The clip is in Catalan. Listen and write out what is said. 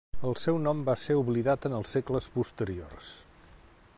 El seu nom va ser oblidat en els segles posteriors.